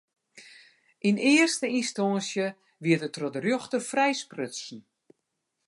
Yn earste ynstânsje wie er troch de rjochter frijsprutsen.